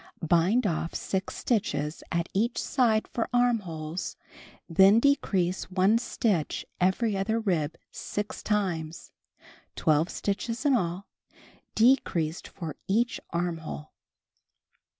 Bind off 6 stitches at each side for armholes, then decrease one stitch every other rib 6 times — 12 stitches, in all, decreased for each armhole.